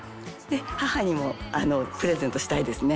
母にもプレゼントしたいですね